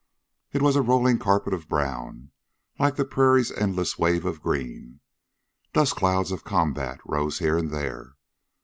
It was a rolling carpet of brown, like the prairie's endless wave of green. Dust clouds of combat rose here and there.